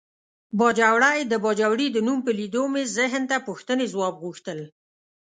باجوړی د باجوړي د نوم په لیدو مې ذهن ته پوښتنې ځواب غوښتل.